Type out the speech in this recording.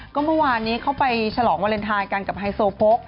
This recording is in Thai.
ก็เมื่อวานนี้เขาไปฉลองวาเลนไทยกันกับไฮโซโพก